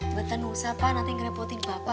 mbak ternusa pak nanti ngerepotin bapak